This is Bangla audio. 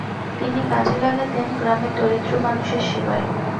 তিনি কাজে লাগাতেন গ্রামের দরিদ্র মানুষের সেবায়।